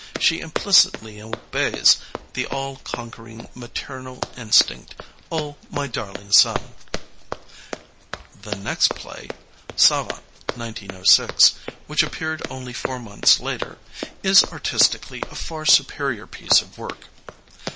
She implicitly obeys the all conquering maternal in stinct: 0h, my darling sonl*' The next play, Savva (1906), which appeared only four months later, is artistically a far superior piece of work.